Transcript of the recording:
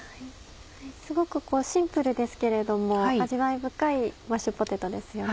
すごくシンプルですけれども味わい深いマッシュポテトですよね。